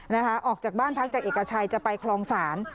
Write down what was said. ออกจากบ้านพักจากเอกชัยจะไปคลองศาล